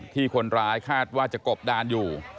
ที่คนร้ายคาดว่าจะกบดานอยู่